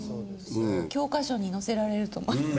教科書に載せられると思います。